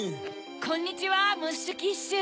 こんにちはムッシュ・キッシュ。